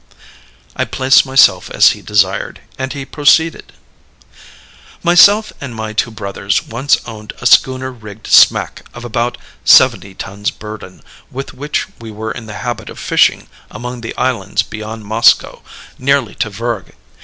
I placed myself as he desired, and he proceeded: "Myself and my two brothers once owned a schooner rigged smack of about seventy tons' burden, with which we were in the habit of fishing among the islands beyond Moskoe, nearly to Vurrgh.